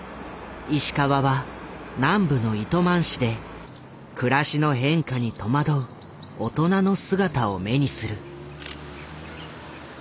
石川は南部の糸満市で暮らしの変化に戸惑う大人の姿を目にする。